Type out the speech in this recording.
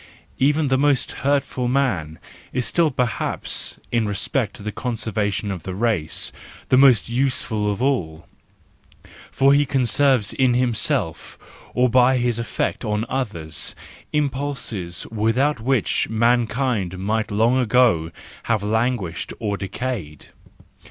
Even the most hurtful man is still perhaps, in respect to the conservation of the race, the most useful of all; for he conserves in himself, or by his effect on others, impulses without which mankind might long ago have lan¬ guished or decayed.